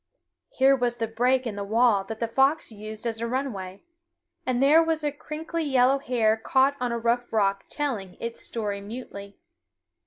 Here was the break in the wall that the fox used as a runway; and there was a crinkly yellow hair caught on a rough rock telling its story mutely.